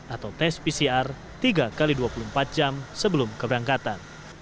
atau tes pcr tiga x dua puluh empat jam sebelum keberangkatan